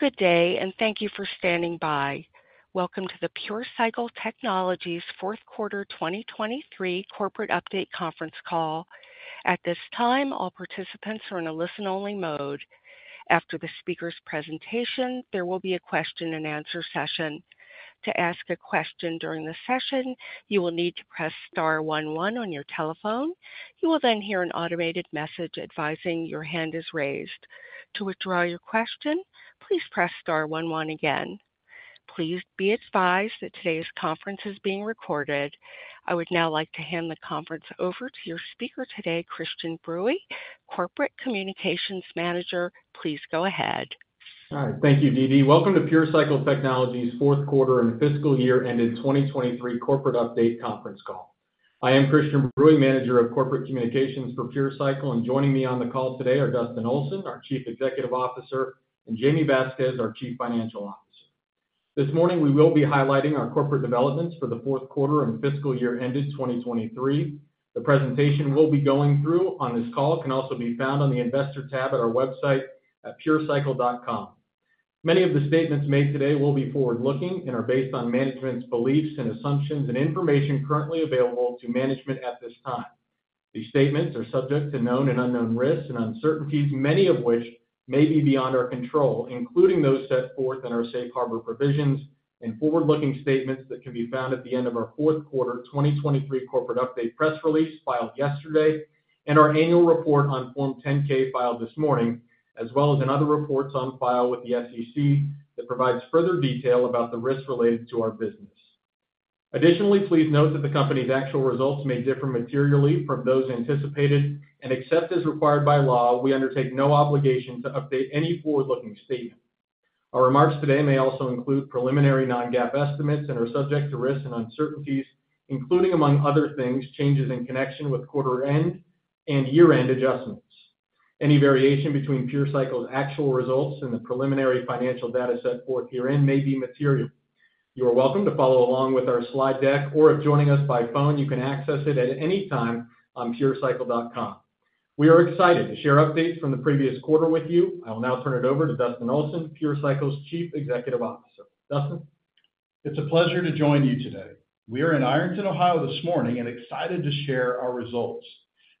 Good day, and thank you for standing by. Welcome to the PureCycle Technologies fourth Quarter 2023 Corporate Update Conference Call. At this time, all participants are in a listen-only mode. After the speaker's presentation, there will be a question-and-answer session. To ask a question during the session, you will need to press star one one on your telephone. You will then hear an automated message advising your hand is raised. To withdraw your question, please press star one one again. Please be advised that today's conference is being recorded. I would now like to hand the conference over to your speaker today, Christian Bruey, Corporate Communications Manager. Please go ahead. All right. Thank you, Dee Dee. Welcome to PureCycle Technologies' fourth Quarter and Fiscal Year Ended 2023 Corporate Update Conference Call. I am Christian Bruey, Manager of Corporate Communications for PureCycle, and joining me on the call today are Dustin Olson, our Chief Executive Officer, and Jaime Vasquez, our Chief Financial Officer. This morning, we will be highlighting our corporate developments for the fourth Quarter and Fiscal Year Ended 2023. The presentation we'll be going through on this call can also be found on the Investor tab at our website at purecycle.com. Many of the statements made today will be forward-looking and are based on management's beliefs and assumptions and information currently available to management at this time. These statements are subject to known and unknown risks and uncertainties, many of which may be beyond our control, including those set forth in our safe harbor provisions and forward-looking statements that can be found at the end of our fourth Quarter 2023 Corporate Update press release filed yesterday and our annual report on Form 10-K filed this morning, as well as in other reports on file with the SEC that provides further detail about the risks related to our business. Additionally, please note that the company's actual results may differ materially from those anticipated, and except as required by law, we undertake no obligation to update any forward-looking statement. Our remarks today may also include preliminary non-GAAP estimates and are subject to risks and uncertainties, including, among other things, changes in connection with quarter-end and year-end adjustments. Any variation between PureCycle's actual results and the preliminary financial data set forth herein may be material. You are welcome to follow along with our slide deck, or if joining us by phone, you can access it at any time on purecycle.com. We are excited to share updates from the previous quarter with you. I will now turn it over to Dustin Olson, PureCycle's Chief Executive Officer. Dustin? It's a pleasure to join you today. We are in Ironton, Ohio this morning and excited to share our results.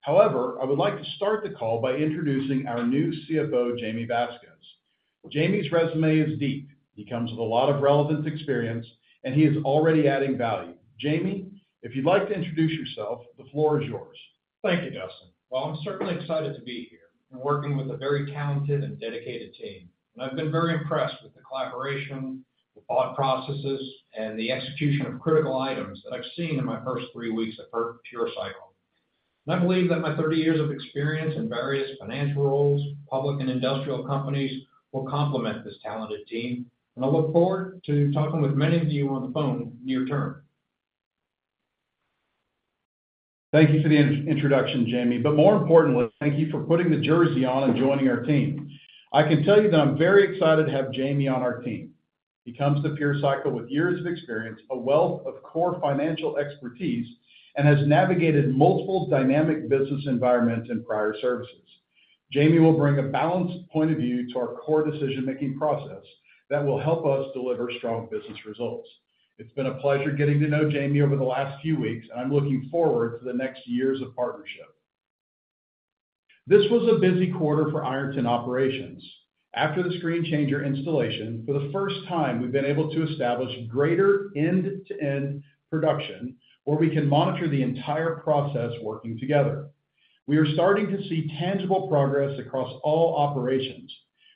However, I would like to start the call by introducing our new CFO, Jaime Vasquez. Jaime's resume is deep. He comes with a lot of relevant experience, and he is already adding value. Jaime, if you'd like to introduce yourself, the floor is yours. Thank you, Dustin. Well, I'm certainly excited to be here and working with a very talented and dedicated team. I've been very impressed with the collaboration, the thought processes, and the execution of critical items that I've seen in my first three weeks at PureCycle. I believe that my 30 years of experience in various financial roles, public and industrial companies will complement this talented team. I look forward to talking with many of you on the phone near term. Thank you for the introduction, Jaime. But more importantly, thank you for putting the jersey on and joining our team. I can tell you that I'm very excited to have Jaime on our team. He comes to PureCycle with years of experience, a wealth of core financial expertise, and has navigated multiple dynamic business environments in prior services. Jaime will bring a balanced point of view to our core decision-making process that will help us deliver strong business results. It's been a pleasure getting to know Jaime over the last few weeks, and I'm looking forward to the next years of partnership. This was a busy quarter for Ironton Operations. After the screen changer installation, for the first time, we've been able to establish greater end-to-end production where we can monitor the entire process working together. We are starting to see tangible progress across all operations.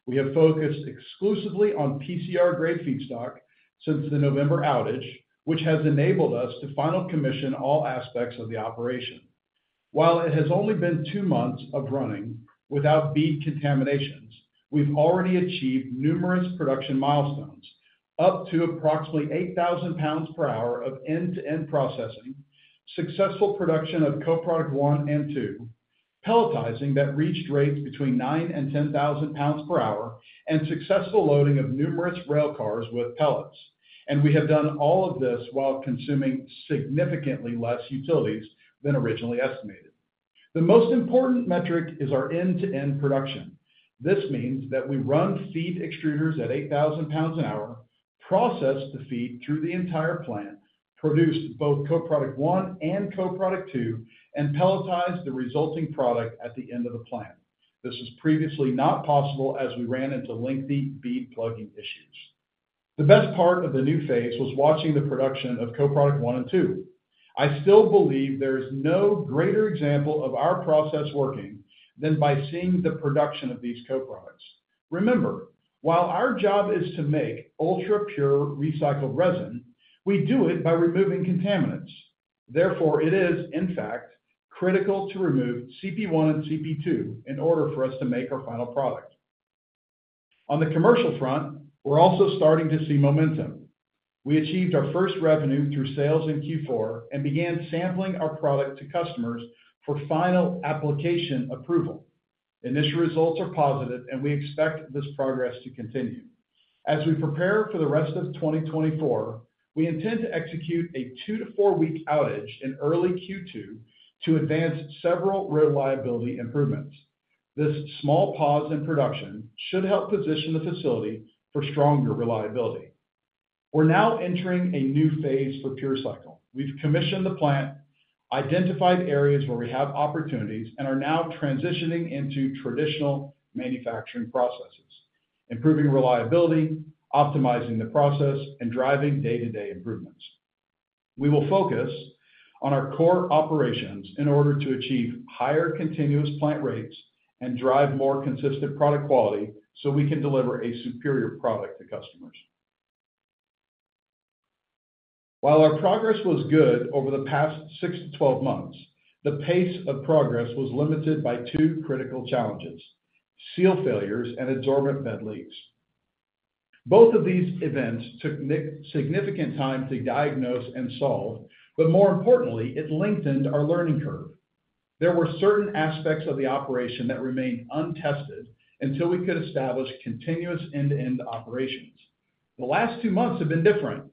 We have focused exclusively on PCR-grade feedstock since the November outage, which has enabled us to fully commission all aspects of the operation. While it has only been two months of running without bead contaminations, we've already achieved numerous production milestones, up to approximately 8,000 pounds per hour of end-to-end processing, successful production of Co-product 1 and Co-product 2, pelletizing that reached rates between 9,000-10,000 pounds per hour, and successful loading of numerous railcars with pellets. We have done all of this while consuming significantly less utilities than originally estimated. The most important metric is our end-to-end production. This means that we run feed extruders at 8,000 pounds an hour, process the feed through the entire plant, produced both Co-product 1 and Co-product 2, and pelletized the resulting product at the end of the plant. This was previously not possible as we ran into lengthy bead plugging issues. The best part of the new phase was watching the production of Co-product 1 and 2. I still believe there is no greater example of our process working than by seeing the production of these co-products. Remember, while our job is to make ultra-pure recycled resin, we do it by removing contaminants. Therefore, it is, in fact, critical to remove CP1 and CP2 in order for us to make our final product. On the commercial front, we're also starting to see momentum. We achieved our first revenue through sales in Q4 and began sampling our product to customers for final application approval. Initial results are positive, and we expect this progress to continue. As we prepare for the rest of 2024, we intend to execute a 2-4-week outage in early Q2 to advance several reliability improvements. This small pause in production should help position the facility for stronger reliability. We're now entering a new phase for PureCycle. We've commissioned the plant, identified areas where we have opportunities, and are now transitioning into traditional manufacturing processes, improving reliability, optimizing the process, and driving day-to-day improvements. We will focus on our core operations in order to achieve higher continuous plant rates and drive more consistent product quality so we can deliver a superior product to customers. While our progress was good over the past 6-12 months, the pace of progress was limited by two critical challenges: seal failures and adsorbent bed leaks. Both of these events took significant time to diagnose and solve, but more importantly, it lengthened our learning curve. There were certain aspects of the operation that remained untested until we could establish continuous end-to-end operations. The last two months have been different.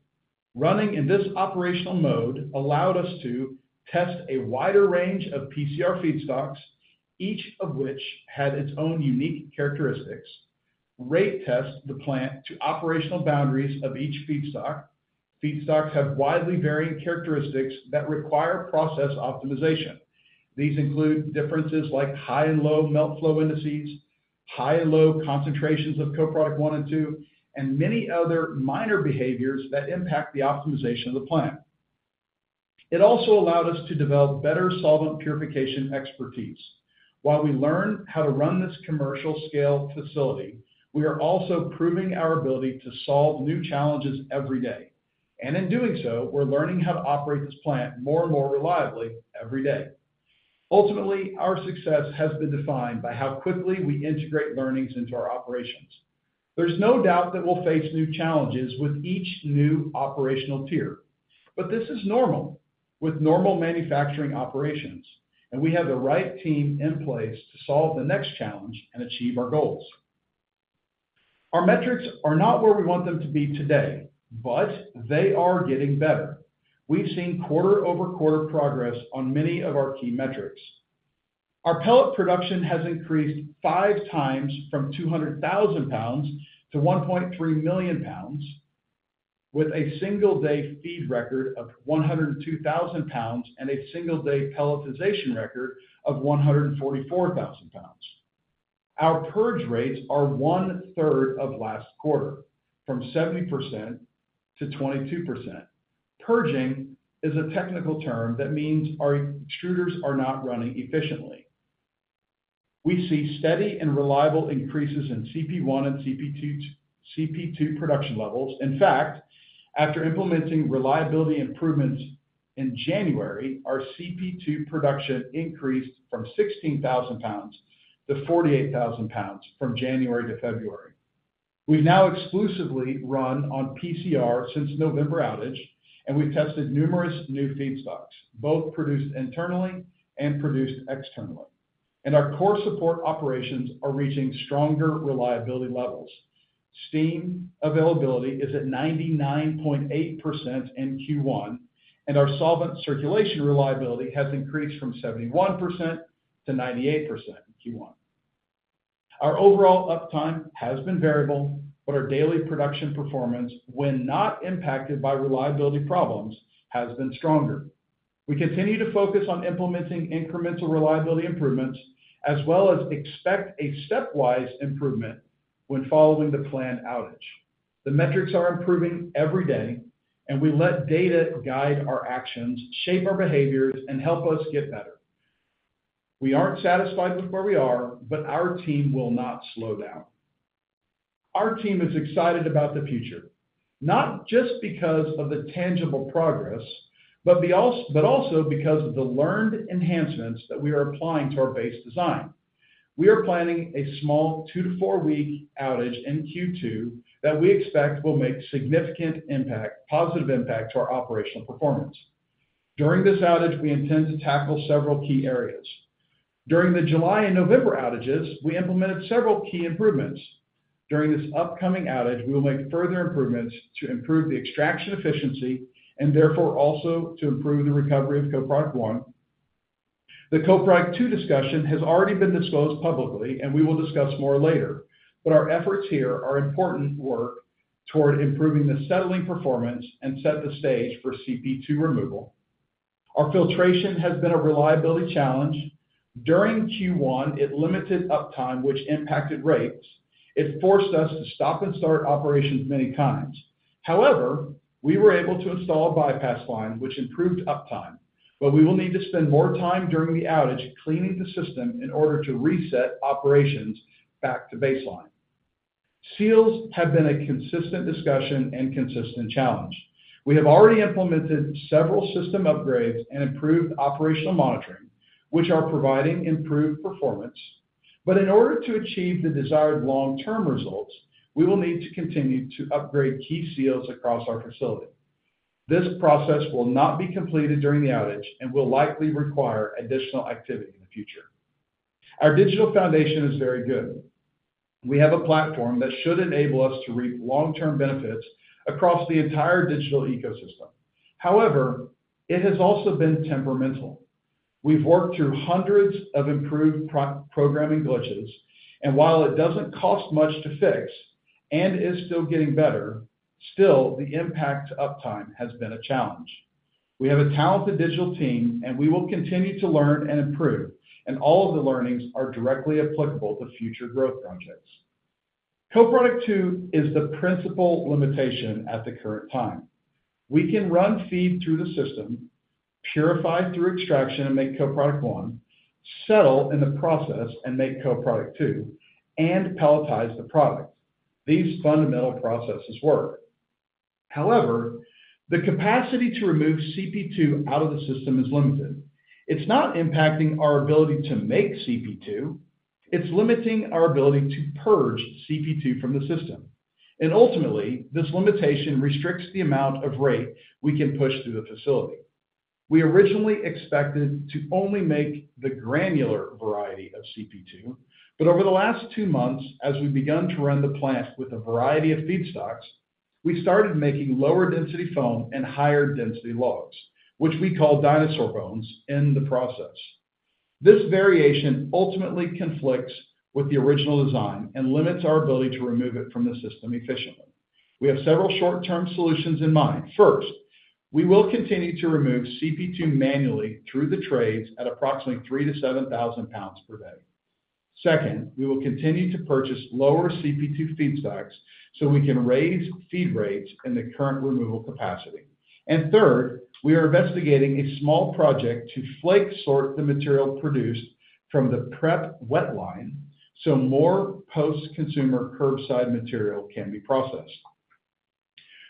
Running in this operational mode allowed us to test a wider range of PCR feedstocks, each of which had its own unique characteristics, rate test the plant to operational boundaries of each feedstock. Feedstocks have widely varying characteristics that require process optimization. These include differences like high and low melt flow indices, high and low concentrations of Co-product 1 and 2, and many other minor behaviors that impact the optimization of the plant. It also allowed us to develop better solvent purification expertise. While we learn how to run this commercial-scale facility, we are also proving our ability to solve new challenges every day. In doing so, we're learning how to operate this plant more and more reliably every day. Ultimately, our success has been defined by how quickly we integrate learnings into our operations. There's no doubt that we'll face new challenges with each new operational tier. But this is normal with normal manufacturing operations, and we have the right team in place to solve the next challenge and achieve our goals. Our metrics are not where we want them to be today, but they are getting better. We've seen quarter-over-quarter progress on many of our key metrics. Our pellet production has increased five times from 200,000 pounds to 1.3 million pounds, with a single-day feed record of 102,000 pounds and a single-day pelletization record of 144,000 pounds. Our purge rates are one-third of last quarter, from 70%-22%. Purging is a technical term that means our extruders are not running efficiently. We see steady and reliable increases in CP1 and CP2 production levels. In fact, after implementing reliability improvements in January, our CP2 production increased from 16,000 pounds to 48,000 pounds from January to February. We've now exclusively run on PCR since November outage, and we've tested numerous new feedstocks, both produced internally and produced externally. Our core support operations are reaching stronger reliability levels. Steam availability is at 99.8% in Q1, and our solvent circulation reliability has increased from 71% to 98% in Q1. Our overall uptime has been variable, but our daily production performance, when not impacted by reliability problems, has been stronger. We continue to focus on implementing incremental reliability improvements, as well as expect a stepwise improvement when following the planned outage. The metrics are improving every day, and we let data guide our actions, shape our behaviors, and help us get better. We aren't satisfied with where we are, but our team will not slow down. Our team is excited about the future, not just because of the tangible progress, but also because of the learned enhancements that we are applying to our base design. We are planning a small 2- to 4-week outage in Q2 that we expect will make significant impact, positive impact to our operational performance. During this outage, we intend to tackle several key areas. During the July and November outages, we implemented several key improvements. During this upcoming outage, we will make further improvements to improve the extraction efficiency and therefore also to improve the recovery of Co-product 1. The Co-product 2 discussion has already been disclosed publicly, and we will discuss more later. But our efforts here are important work toward improving the settling performance and set the stage for CP2 removal. Our filtration has been a reliability challenge. During Q1, it limited uptime, which impacted rates. It forced us to stop and start operations many times. However, we were able to install a bypass line, which improved uptime. But we will need to spend more time during the outage cleaning the system in order to reset operations back to baseline. Seals have been a consistent discussion and consistent challenge. We have already implemented several system upgrades and improved operational monitoring, which are providing improved performance. But in order to achieve the desired long-term results, we will need to continue to upgrade key seals across our facility. This process will not be completed during the outage and will likely require additional activity in the future. Our digital foundation is very good. We have a platform that should enable us to reap long-term benefits across the entire digital ecosystem. However, it has also been temperamental. We've worked through hundreds of improved programming glitches. And while it doesn't cost much to fix and is still getting better, still, the impact to uptime has been a challenge. We have a talented digital team, and we will continue to learn and improve. All of the learnings are directly applicable to future growth projects. Co-product 2 is the principal limitation at the current time. We can run feed through the system, purify through extraction and make Co-product 1, settle in the process and make Co-product 2, and pelletize the product. These fundamental processes work. However, the capacity to remove CP2 out of the system is limited. It's not impacting our ability to make CP2. It's limiting our ability to purge CP2 from the system. And ultimately, this limitation restricts the amount of rate we can push through the facility. We originally expected to only make the granular variety of CP2. But over the last two months, as we began to run the plant with a variety of feedstocks, we started making lower-density foam and higher-density logs, which we call dinosaur bones, in the process. This variation ultimately conflicts with the original design and limits our ability to remove it from the system efficiently. We have several short-term solutions in mind. First, we will continue to remove CP2 manually through the trades at approximately 3,000-7,000 pounds per day. Second, we will continue to purchase lower CP2 feedstocks so we can raise feed rates in the current removal capacity. And third, we are investigating a small project to flake sort the material produced from the prep wet line so more post-consumer curbside material can be processed.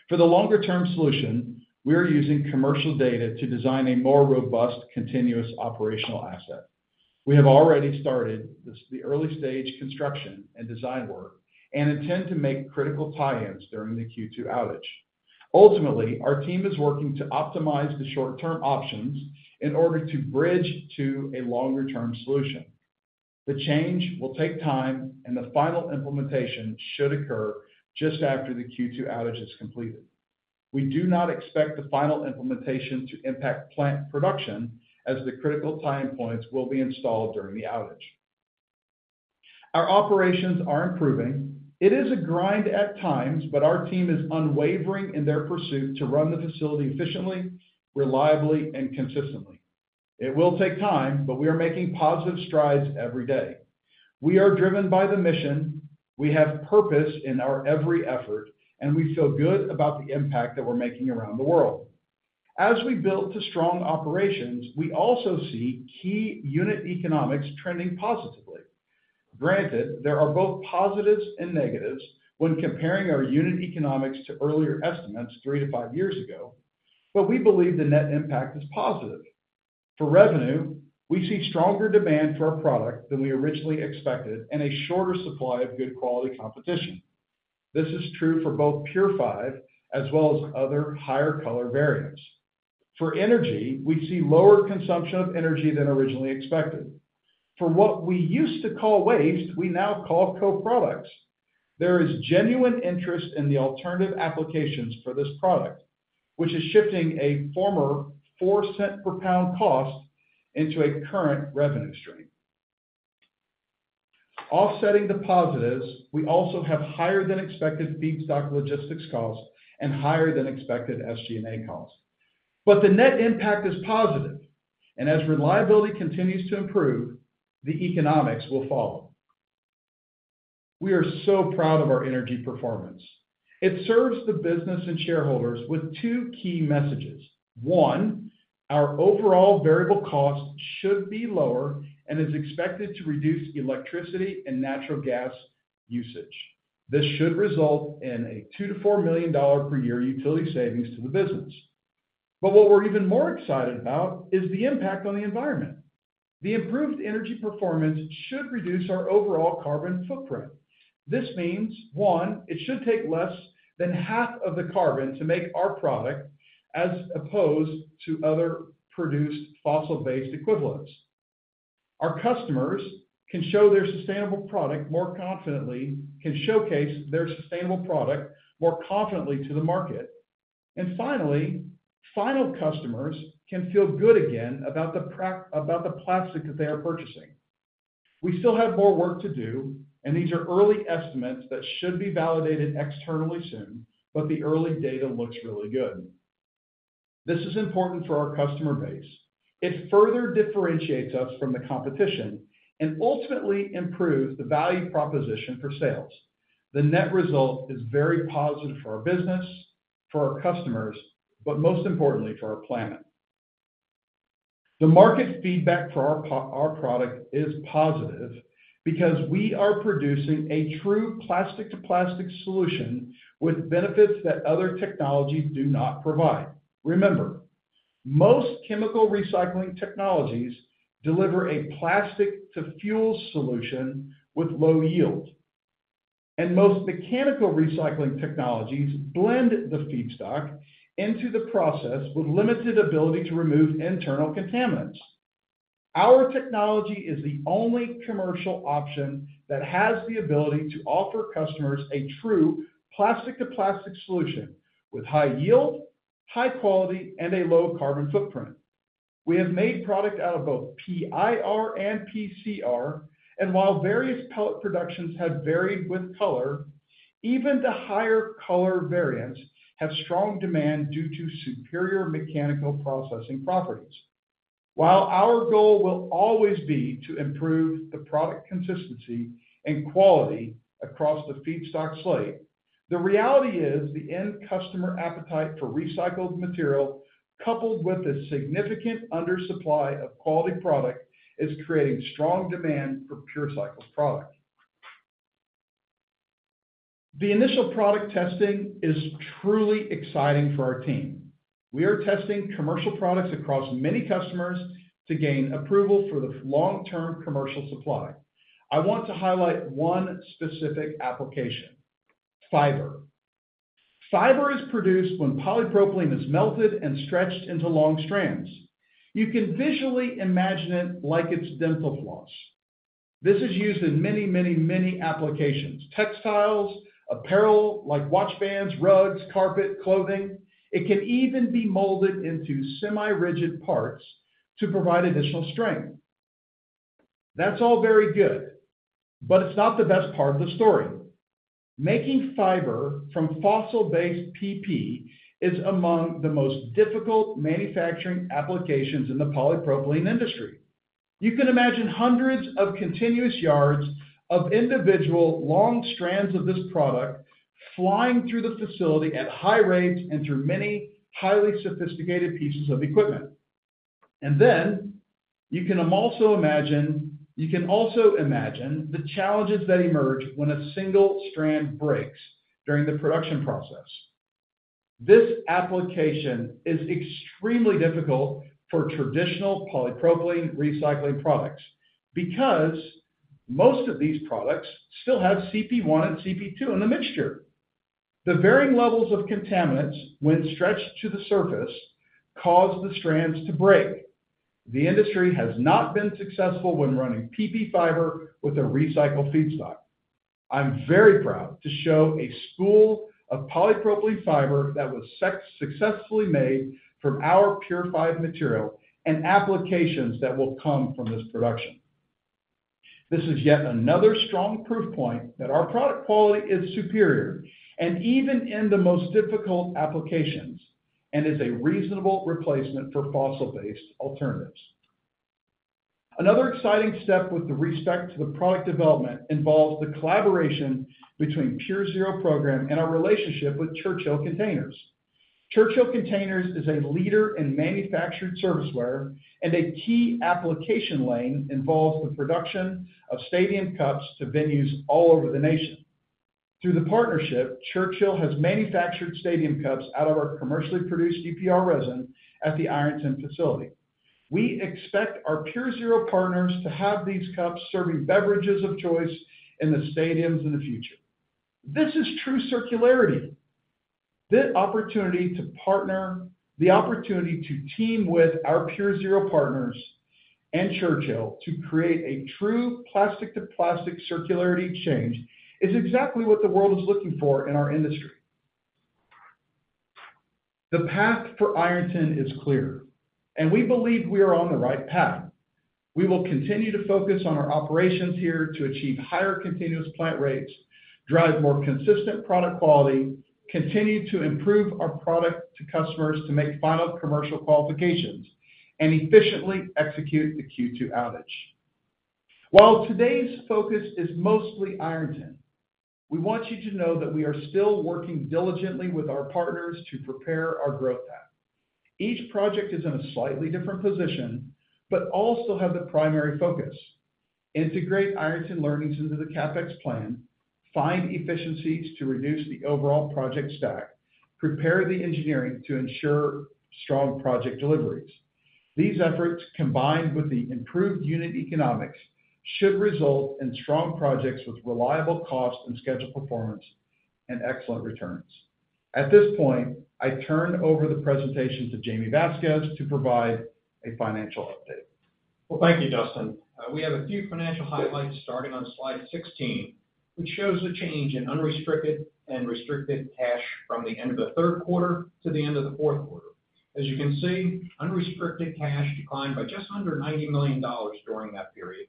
For the longer-term solution, we are using commercial data to design a more robust continuous operational asset. We have already started the early-stage construction and design work and intend to make critical tie-ins during the Q2 outage. Ultimately, our team is working to optimize the short-term options in order to bridge to a longer-term solution. The change will take time, and the final implementation should occur just after the Q2 outage is completed. We do not expect the final implementation to impact plant production as the critical tie-in points will be installed during the outage. Our operations are improving. It is a grind at times, but our team is unwavering in their pursuit to run the facility efficiently, reliably, and consistently. It will take time, but we are making positive strides every day. We are driven by the mission. We have purpose in our every effort, and we feel good about the impact that we're making around the world. As we build to strong operations, we also see key unit economics trending positively. Granted, there are both positives and negatives when comparing our unit economics to earlier estimates 3-5 years ago. But we believe the net impact is positive. For revenue, we see stronger demand for our product than we originally expected and a shorter supply of good-quality competition. This is true for both PureFive as well as other higher-color variants. For energy, we see lower consumption of energy than originally expected. For what we used to call waste, we now call co-products. There is genuine interest in the alternative applications for this product, which is shifting a former $0.04 per pound cost into a current revenue stream. Offsetting the positives, we also have higher-than-expected feedstock logistics costs and higher-than-expected SG&A costs. But the net impact is positive. As reliability continues to improve, the economics will follow. We are so proud of our energy performance. It serves the business and shareholders with two key messages. One, our overall variable cost should be lower and is expected to reduce electricity and natural gas usage. This should result in a 2 to 4 million per year utility savings to the business. But what we're even more excited about is the impact on the environment. The improved energy performance should reduce our overall carbon footprint. This means, one, it should take less than half of the carbon to make our product as opposed to other produced fossil-based equivalents. Our customers can show their sustainable product more confidently, can showcase their sustainable product more confidently to the market. And finally, final customers can feel good again about the plastic that they are purchasing. We still have more work to do, and these are early estimates that should be validated externally soon, but the early data looks really good. This is important for our customer base. It further differentiates us from the competition and ultimately improves the value proposition for sales. The net result is very positive for our business, for our customers, but most importantly, for our planet. The market feedback for our product is positive because we are producing a true plastic-to-plastic solution with benefits that other technologies do not provide. Remember, most chemical recycling technologies deliver a plastic-to-fuel solution with low yield. Most mechanical recycling technologies blend the feedstock into the process with limited ability to remove internal contaminants. Our technology is the only commercial option that has the ability to offer customers a true plastic-to-plastic solution with high yield, high quality, and a low carbon footprint. We have made product out of both PIR and PCR. While various pellet productions have varied with color, even the higher color variants have strong demand due to superior mechanical processing properties. While our goal will always be to improve the product consistency and quality across the feedstock slate, the reality is the end customer appetite for recycled material, coupled with a significant undersupply of quality product, is creating strong demand for PureCycle products. The initial product testing is truly exciting for our team. We are testing commercial products across many customers to gain approval for the long-term commercial supply. I want to highlight one specific application: fiber. Fiber is produced when polypropylene is melted and stretched into long strands. You can visually imagine it like it's dental floss. This is used in many, many, many applications: textiles, apparel like watch bands, rugs, carpet, clothing. It can even be molded into semi-rigid parts to provide additional strength. That's all very good. But it's not the best part of the story. Making fiber from fossil-based PP is among the most difficult manufacturing applications in the polypropylene industry. You can imagine hundreds of continuous yards of individual long strands of this product flying through the facility at high rates and through many highly sophisticated pieces of equipment. And then you can also imagine the challenges that emerge when a single strand breaks during the production process. This application is extremely difficult for traditional polypropylene recycling products because most of these products still have CP1 and CP2 in the mixture. The varying levels of contaminants, when stretched to the surface, cause the strands to break. The industry has not been successful when running PP fiber with a recycled feedstock. I'm very proud to show a spool of polypropylene fiber that was successfully made from our PureFive material and applications that will come from this production. This is yet another strong proof point that our product quality is superior and even in the most difficult applications and is a reasonable replacement for fossil-based alternatives. Another exciting step with respect to the product development involves the collaboration between PureZero Program and our relationship with Churchill Container. Churchill Container is a leader in manufactured service ware, and a key application lane involves the production of stadium cups to venues all over the nation. Through the partnership, Churchill has manufactured stadium cups out of our commercially produced UPR resin at the Ironton facility. We expect our PureZero partners to have these cups serving beverages of choice in the stadiums in the future. This is true circularity. The opportunity to partner, the opportunity to team with our PureZero partners and Churchill to create a true plastic-to-plastic circularity change is exactly what the world is looking for in our industry. The path for Ironton is clear, and we believe we are on the right path. We will continue to focus on our operations here to achieve higher continuous plant rates, drive more consistent product quality, continue to improve our product to customers to make final commercial qualifications, and efficiently execute the Q2 outage. While today's focus is mostly Ironton, we want you to know that we are still working diligently with our partners to prepare our growth path. Each project is in a slightly different position but also has the primary focus: integrate Ironton learnings into the CapEx plan, find efficiencies to reduce the overall project stack, prepare the engineering to ensure strong project deliveries. These efforts, combined with the improved unit economics, should result in strong projects with reliable cost and schedule performance and excellent returns. At this point, I turn over the presentation to Jaime Vasquez to provide a financial update. Well, thank you, Dustin. We have a few financial highlights starting on slide 16, which shows the change in unrestricted and restricted cash from the end of the third quarter to the end of the fourth quarter. As you can see, unrestricted cash declined by just under $90 million during that period.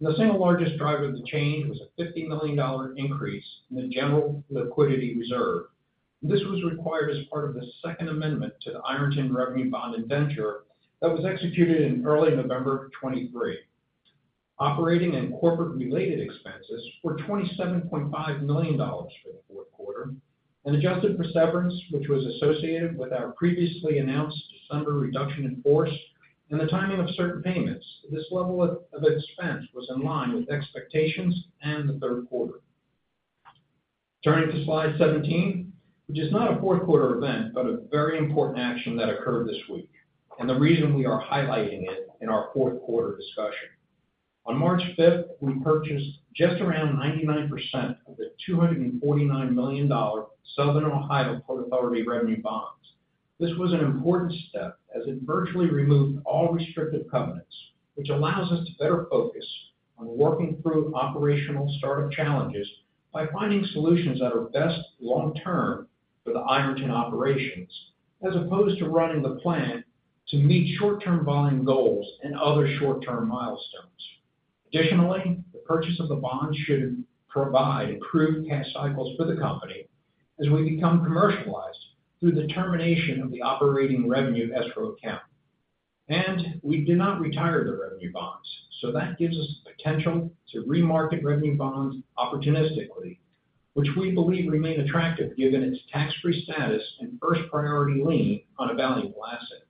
And the single largest driver of the change was a $50 million increase in the general liquidity reserve. This was required as part of the Second Amendment to the Ironton Revenue Bond Indenture that was executed in early November 2023. Operating and corporate-related expenses were $27.5 million for the fourth quarter. Adjusted severance, which was associated with our previously announced December reduction in force and the timing of certain payments, this level of expense was in line with expectations and the third quarter. Turning to slide 17, which is not a fourth quarter event but a very important action that occurred this week and the reason we are highlighting it in our fourth quarter discussion. On March 5th, we purchased just around 99% of the $249 million Southern Ohio Port Authority Revenue Bonds. This was an important step as it virtually removed all restrictive covenants, which allows us to better focus on working through operational startup challenges by finding solutions that are best long-term for the Ironton operations as opposed to running the plant to meet short-term volume goals and other short-term milestones. Additionally, the purchase of the bonds should provide improved cash cycles for the company as we become commercialized through the termination of the operating revenue escrow account. We did not retire the revenue bonds, so that gives us the potential to remarket revenue bonds opportunistically, which we believe remain attractive given its tax-free status and first-priority lien on a valuable asset.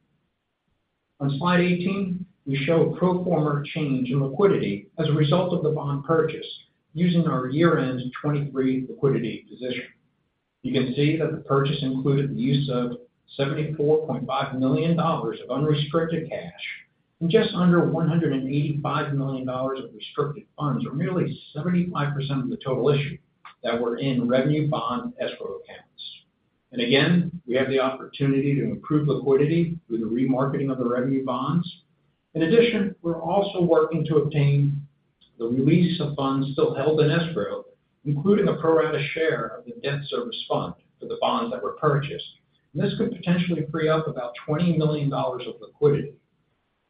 On slide 18, we show a pro forma change in liquidity as a result of the bond purchase using our year-end 2023 liquidity position. You can see that the purchase included the use of $74.5 million of unrestricted cash and just under 185 million of restricted funds, or nearly 75% of the total issue, that were in revenue bond escrow accounts. Again, we have the opportunity to improve liquidity through the remarketing of the revenue bonds. In addition, we're also working to obtain the release of funds still held in escrow, including a pro-rata share of the debt service fund for the bonds that were purchased. And this could potentially free up about $20 million of liquidity.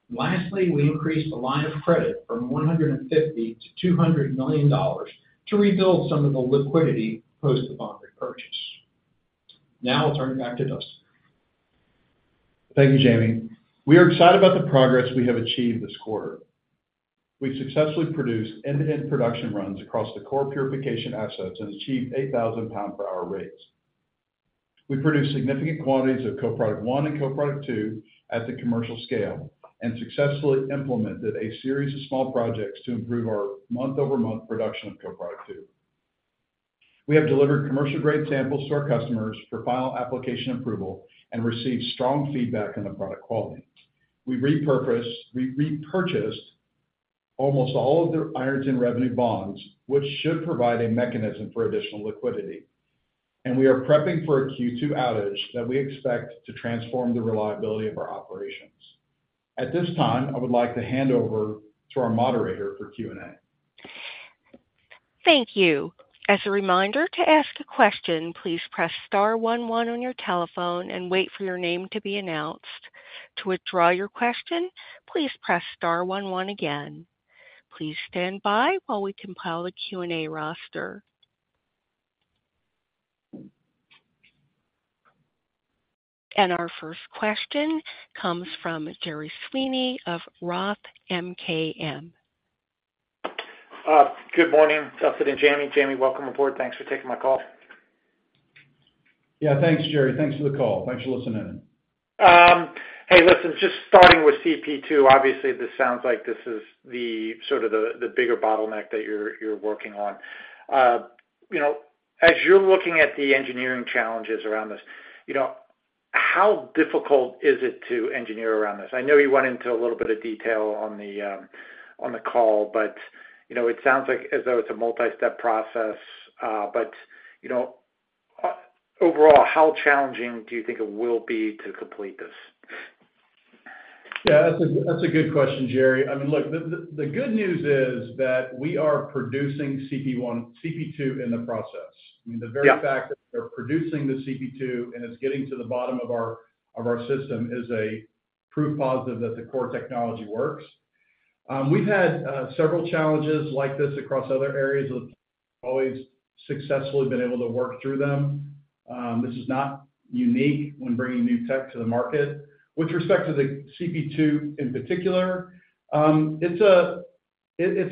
And lastly, we increased the line of credit from $150 million to 200 million to rebuild some of the liquidity post the bond repurchase. Now I'll turn it back to Dustin. Thank you, Jaime. We are excited about the progress we have achieved this quarter. We've successfully produced intermittent production runs across the core purification assets and achieved 8,000-pound-per-hour rates. We produced significant quantities of co-product 1 and co-product 2 at the commercial scale and successfully implemented a series of small projects to improve our month-over-month production of co-product 2. We have delivered commercial-grade samples to our customers for final application approval and received strong feedback on the product quality. We repurchased almost all of the Ironton revenue bonds, which should provide a mechanism for additional liquidity. We are prepping for a Q2 outage that we expect to transform the reliability of our operations. At this time, I would like to hand over to our moderator for Q&A. Thank you. As a reminder, to ask a question, please press star one one on your telephone and wait for your name to be announced. To withdraw your question, please press star one one again. Please stand by while we compile the Q&A roster. Our first question comes from Gerry Sweeney of ROTH MKM. Good morning, Dustin and Jaime. Jaime, welcome aboard. Thanks for taking my call. Yeah, thanks, Gerry. Thanks for the call. Thanks for listening in. Hey, listen, just starting with CP2, obviously, this sounds like this is sort of the bigger bottleneck that you're working on. As you're looking at the engineering challenges around this, how difficult is it to engineer around this? I know you went into a little bit of detail on the call, but it sounds as though it's a multi-step process. But overall, how challenging do you think it will be to complete this? Yeah, that's a good question, Gerry. I mean, look, the good news is that we are producing CP2 in the process. I mean, the very fact that we are producing the CP2 and it's getting to the bottom of our system is a proof positive that the core technology works. We've had several challenges like this across other areas of the process. We've always successfully been able to work through them. This is not unique when bringing new tech to the market. With respect to the CP2 in particular, it's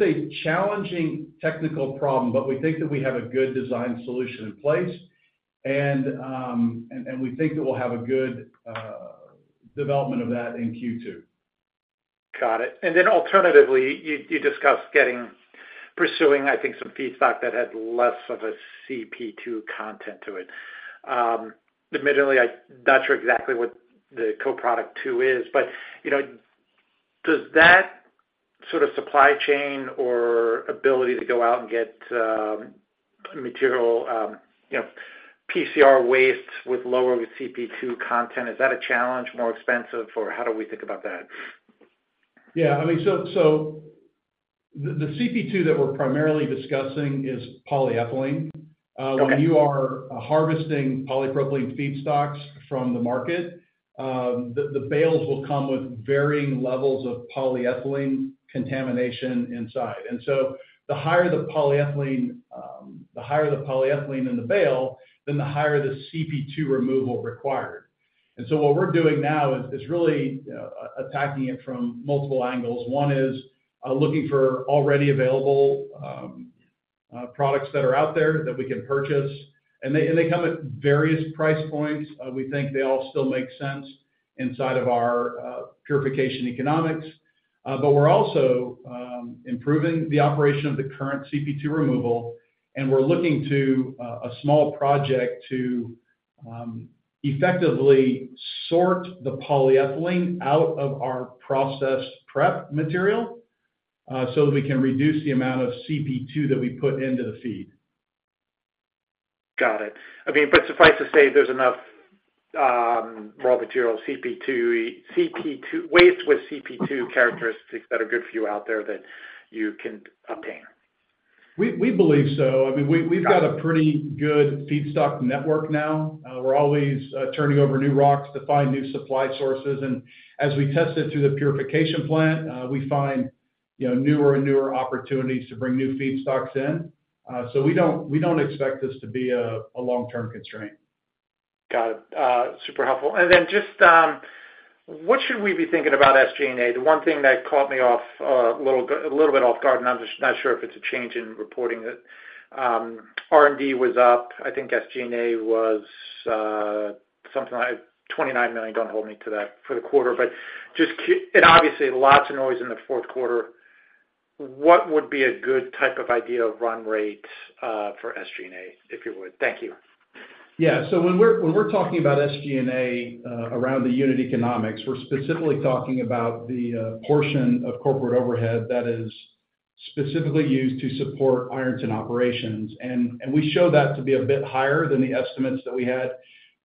a challenging technical problem, but we think that we have a good design solution in place, and we think that we'll have a good development of that in Q2. Got it. And then alternatively, you discussed pursuing, I think, some feedstock that had less of a CP2 content to it. Admittedly, I'm not sure exactly what the Co-product 2 is, but does that sort of supply chain or ability to go out and get material PCR waste with lower CP2 content, is that a challenge, more expensive, or how do we think about that? Yeah, I mean, so the CP2 that we're primarily discussing is polyethylene. When you are harvesting polypropylene feedstocks from the market, the bales will come with varying levels of polyethylene contamination inside. And so the higher the polyethylene the higher the polyethylene in the bale, then the higher the CP2 removal required. And so what we're doing now is really attacking it from multiple angles. One is looking for already available products that are out there that we can purchase. And they come at various price points. We think they all still make sense inside of our purification economics. But we're also improving the operation of the current CP2 removal, and we're looking to a small project to effectively sort the polyethylene out of our processed prep material so that we can reduce the amount of CP2 that we put into the feed. Got it. I mean, but suffice to say there's enough raw material CP2 waste with CP2 characteristics that are good for you out there that you can obtain? We believe so. I mean, we've got a pretty good feedstock network now. We're always turning over new rocks to find new supply sources. And as we test it through the purification plant, we find newer and newer opportunities to bring new feedstocks in. So we don't expect this to be a long-term constraint. Got it. Super helpful. And then just what should we be thinking about, SG&A? The one thing that caught me a little bit off guard, and I'm just not sure if it's a change in reporting that R&D was up. I think SG&A was something like $29 million. Don't hold me to that for the quarter. But obviously, lots of noise in the fourth quarter. What would be a good type of idea of run rate for SG&A, if you would? Thank you. Yeah. So when we're talking about SG&A around the unit economics, we're specifically talking about the portion of corporate overhead that is specifically used to support Ironton operations. We show that to be a bit higher than the estimates that we had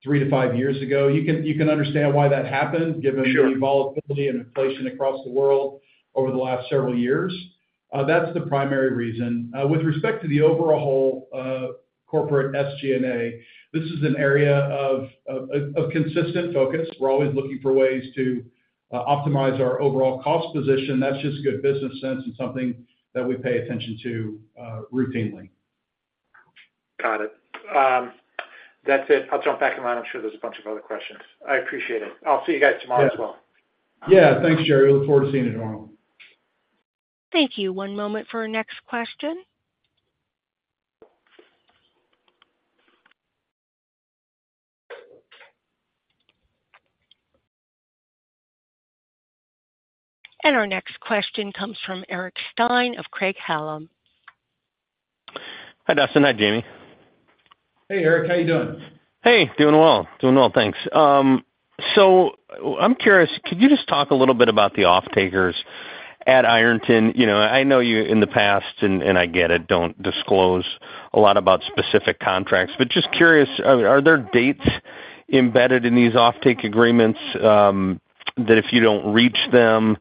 three to five years ago. You can understand why that happened given the volatility and inflation across the world over the last several years. That's the primary reason. With respect to the overall corporate SG&A, this is an area of consistent focus. We're always looking for ways to optimize our overall cost position. That's just good business sense and something that we pay attention to routinely. Got it. That's it. I'll jump back in line. I'm sure there's a bunch of other questions. I appreciate it. I'll see you guys tomorrow as well. Yeah. Thanks, Gerry. We look forward to seeing you tomorrow. Thank you. One moment for our next question. Our next question comes from Eric Stein of Craig-Hallum. Hi, Dustin. Hi, Jaime. Hey, Eric. How are you doing? Hey. Doing well. Doing well, thanks. So I'm curious, could you just talk a little bit about the off-takers at Ironton? I know you in the past, and I get it, don't disclose a lot about specific contracts. But just curious, are there dates embedded in these off-take agreements that if you don't reach them,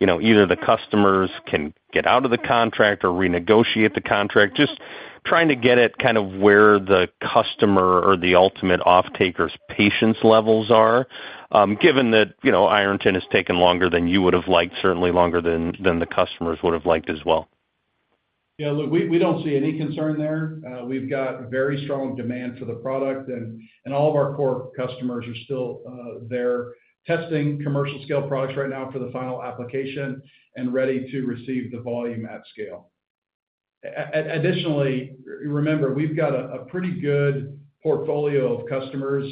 either the customers can get out of the contract or renegotiate the contract? Just trying to get at kind of where the customer or the ultimate off-taker's patience levels are given that Ironton has taken longer than you would have liked, certainly longer than the customers would have liked as well? Yeah, look, we don't see any concern there. We've got very strong demand for the product, and all of our core customers are still there testing commercial-scale products right now for the final application and ready to receive the volume at scale. Additionally, remember, we've got a pretty good portfolio of customers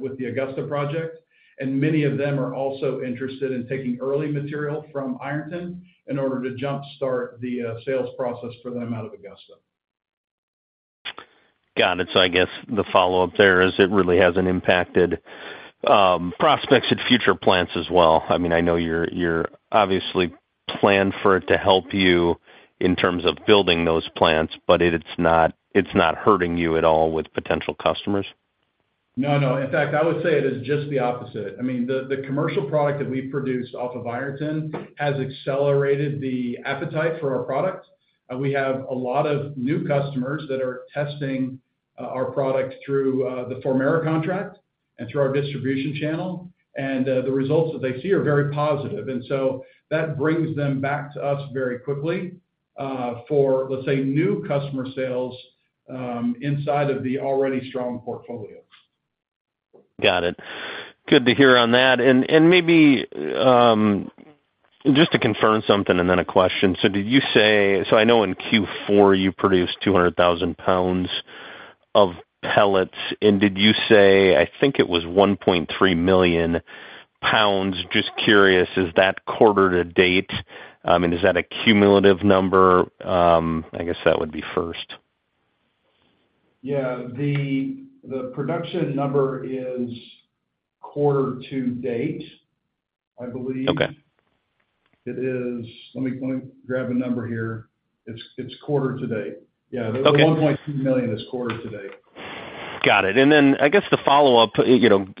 with the Augusta project, and many of them are also interested in taking early material from Ironton in order to jump-start the sales process for them out of Augusta. Got it. So I guess the follow-up there is, it really hasn't impacted prospects at future plants as well? I mean, I know you're obviously planned for it to help you in terms of building those plants, but it's not hurting you at all with potential customers? No, no. In fact, I would say it is just the opposite. I mean, the commercial product that we've produced off of Ironton has accelerated the appetite for our product. We have a lot of new customers that are testing our product through the Formerra contract and through our distribution channel. And the results that they see are very positive. And so that brings them back to us very quickly for, let's say, new customer sales inside of the already strong portfolio. Got it. Good to hear on that. Maybe just to confirm something and then a question. Did you say so I know in Q4, you produced 200,000 pounds of pellets? Did you say I think it was 1.3 million? Just curious, is that quarter to date? I mean, is that a cumulative number? I guess that would be first. Yeah. The production number is quarter to date, I believe. Let me grab a number here. It's quarter to date. Yeah, the 1.3 million is quarter to date. Got it. And then I guess the follow-up,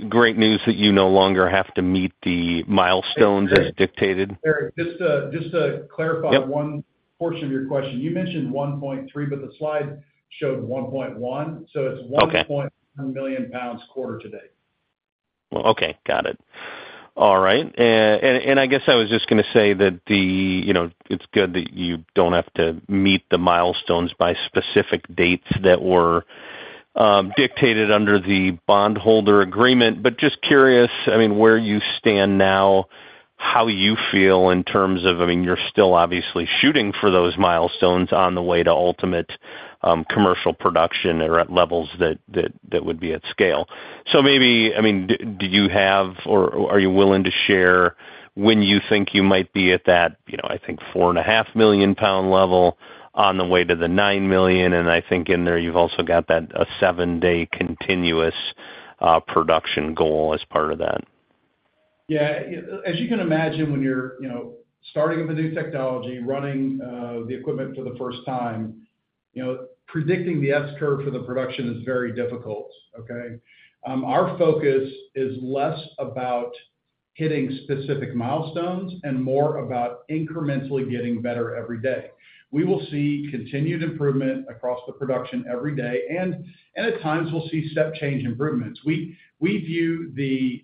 great news that you no longer have to meet the milestones as dictated. Eric, just to clarify one portion of your question. You mentioned 1.3, but the slide showed 1.1. So it's 1.1 million pounds quarter to date. Well, okay. Got it. All right. And I guess I was just going to say that it's good that you don't have to meet the milestones by specific dates that were dictated under the bondholder agreement. But just curious, I mean, where you stand now, how you feel in terms of I mean, you're still obviously shooting for those milestones on the way to ultimate commercial production or at levels that would be at scale. So maybe, I mean, do you have or are you willing to share when you think you might be at that, I think, 4.5 million pound level on the way to the 9 million? And I think in there, you've also got that a seven-day continuous production goal as part of that. Yeah. As you can imagine, when you're starting up a new technology, running the equipment for the first time, predicting the S-curve for the production is very difficult, okay? Our focus is less about hitting specific milestones and more about incrementally getting better every day. We will see continued improvement across the production every day, and at times, we'll see step-change improvements. We view the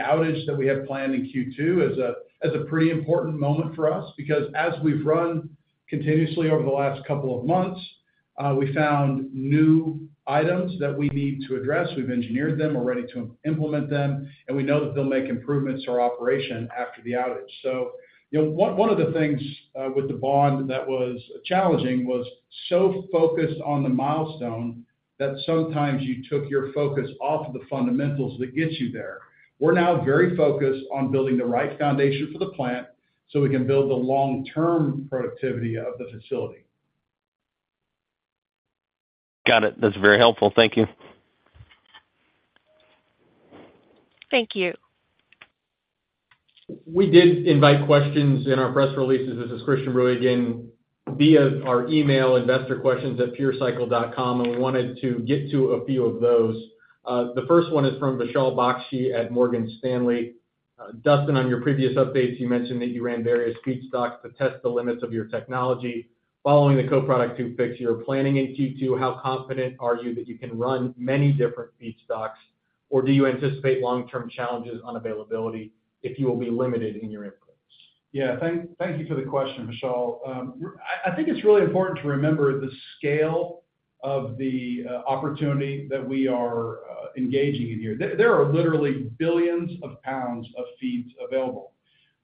outage that we have planned in Q2 as a pretty important moment for us because as we've run continuously over the last couple of months, we found new items that we need to address. We've engineered them. We're ready to implement them, and we know that they'll make improvements to our operation after the outage. One of the things with the bond that was challenging was so focused on the milestone that sometimes you took your focus off of the fundamentals that get you there. We're now very focused on building the right foundation for the plant so we can build the long-term productivity of the facility. Got it. That's very helpful. Thank you. Thank you. We did invite questions in our press releases. This is Christian Bruey again via our email, investorquestions@purecycle.com, and we wanted to get to a few of those. The first one is from Vishal Bakshi at Morgan Stanley. Dustin, on your previous updates, you mentioned that you ran various feedstocks to test the limits of your technology. Following the Co-product 2 fix, you're planning in Q2. How confident are you that you can run many different feedstocks, or do you anticipate long-term challenges on availability if you will be limited in your inputs? Yeah. Thank you for the question, Vishal. I think it's really important to remember the scale of the opportunity that we are engaging in here. There are literally billions of pounds of feeds available.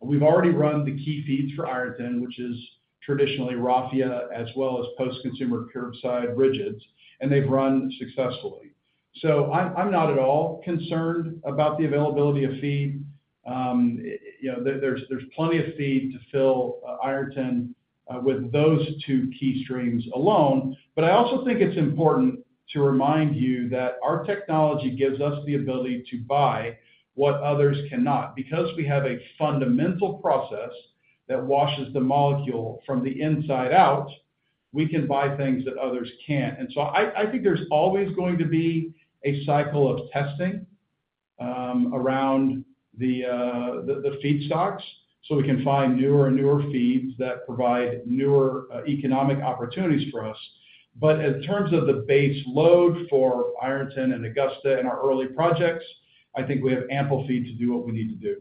We've already run the key feeds for Ironton, which is traditionally raffia as well as post-consumer curbside rigids, and they've run successfully. So I'm not at all concerned about the availability of feed. There's plenty of feed to fill Ironton with those two key streams alone. But I also think it's important to remind you that our technology gives us the ability to buy what others cannot. Because we have a fundamental process that washes the molecule from the inside out, we can buy things that others can't. And so I think there's always going to be a cycle of testing around the feedstocks so we can find newer and newer feeds that provide newer economic opportunities for us. But in terms of the base load for Ironton and Augusta and our early projects, I think we have ample feed to do what we need to do.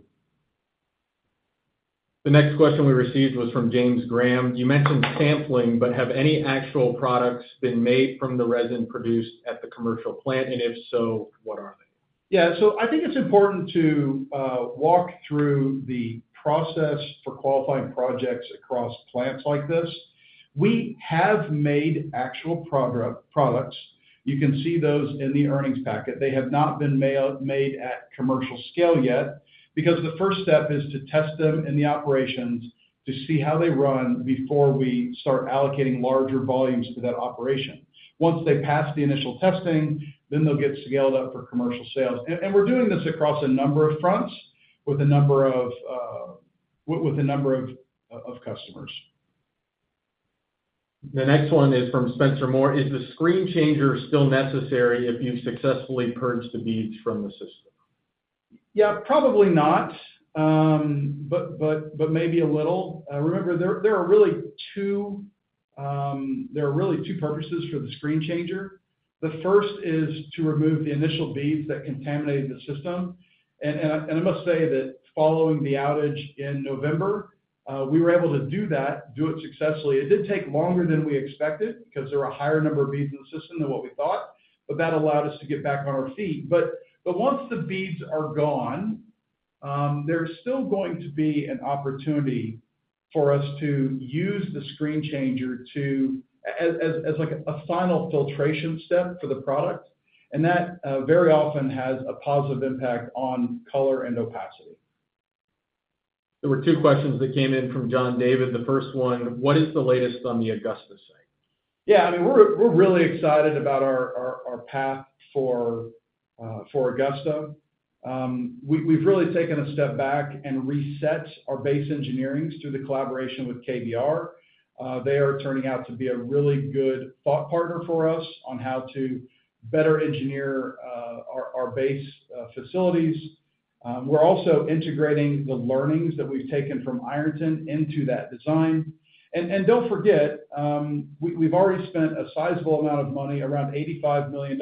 The next question we received was from James Graham. You mentioned sampling, but have any actual products been made from the resin produced at the commercial plant? And if so, what are they? Yeah. So I think it's important to walk through the process for qualifying projects across plants like this. We have made actual products. You can see those in the earnings packet. They have not been made at commercial scale yet because the first step is to test them in the operations to see how they run before we start allocating larger volumes to that operation. Once they pass the initial testing, then they'll get scaled up for commercial sales. And we're doing this across a number of fronts with a number of customers. The next one is from Spencer Moore. Is the screen changer still necessary if you've successfully purged the beads from the system? Yeah, probably not, but maybe a little. Remember, there are really two purposes for the screen changer. The first is to remove the initial beads that contaminated the system. I must say that following the outage in November, we were able to do that, do it successfully. It did take longer than we expected because there were a higher number of beads in the system than what we thought, but that allowed us to get back on our feet. Once the beads are gone, there's still going to be an opportunity for us to use the screen changer as a final filtration step for the product. And that very often has a positive impact on color and opacity. There were two questions that came in from John David. The first one, what is the latest on the Augusta site? Yeah. I mean, we're really excited about our path for Augusta. We've really taken a step back and reset our base engineerings through the collaboration with KBR. They are turning out to be a really good thought partner for us on how to better engineer our base facilities. We're also integrating the learnings that we've taken from Ironton into that design. And don't forget, we've already spent a sizable amount of money, around $85 million,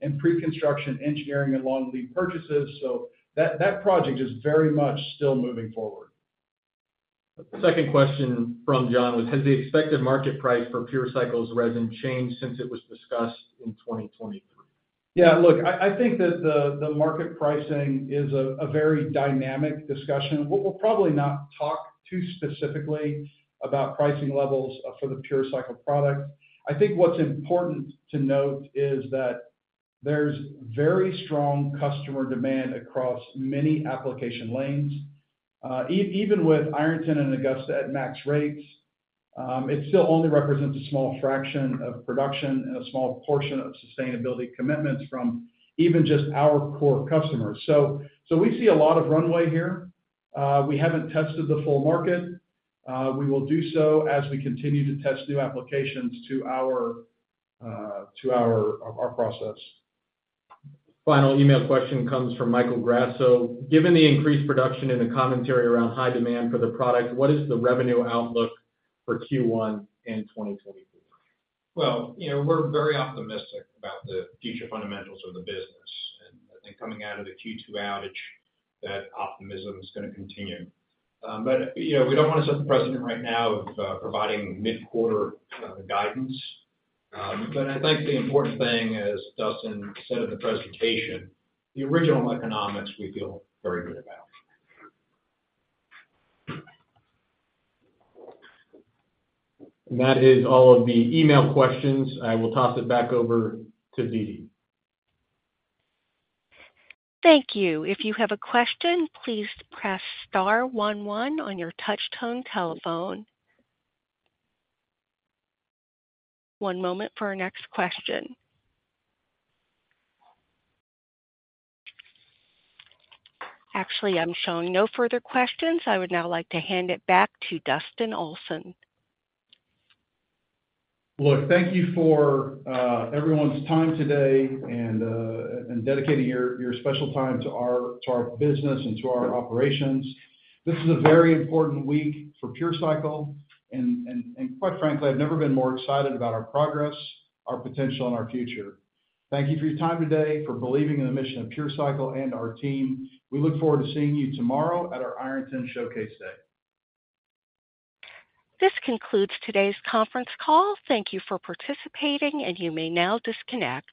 in pre-construction engineering and long lead purchases. So that project is very much still moving forward. Second question from John was: Has the expected market price for PureCycle's resin changed since it was discussed in 2023? Yeah. Look, I think that the market pricing is a very dynamic discussion. We'll probably not talk too specifically about pricing levels for the PureCycle product. I think what's important to note is that there's very strong customer demand across many application lanes. Even with Ironton and Augusta at max rates, it still only represents a small fraction of production and a small portion of sustainability commitments from even just our core customers. So we see a lot of runway here. We haven't tested the full market. We will do so as we continue to test new applications to our process. Final email question comes from Michael Grasso. Given the increased production and the commentary around high demand for the product, what is the revenue outlook for Q1 in 2023? Well, we're very optimistic about the future fundamentals of the business. I think coming out of the Q2 outage, that optimism is going to continue. But we don't want to set the precedent right now of providing mid-quarter guidance. But I think the important thing, as Dustin said in the presentation, the original economics we feel very good about. That is all of the email questions. I will toss it back over to Dee Dee. Thank you. If you have a question, please press star one one on your touch-tone telephone. One moment for our next question. Actually, I'm showing no further questions. I would now like to hand it back to Dustin Olson. Look, thank you for everyone's time today and dedicating your special time to our business and to our operations. This is a very important week for PureCycle. Quite frankly, I've never been more excited about our progress, our potential, and our future. Thank you for your time today, for believing in the mission of PureCycle and our team. We look forward to seeing you tomorrow at our Ironton Showcase Day. This concludes today's conference call. Thank you for participating, and you may now disconnect.